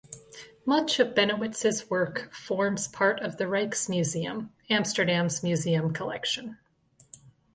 Much of Bennewitz’s work forms part of the Rijksmuseum Amsterdam’s museum collection.